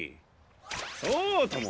そうとも。